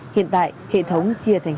hiện tại hệ thống chia thành